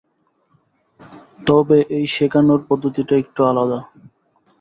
তবে এই শেখানোর পদ্ধতিটা একটু আলাদা।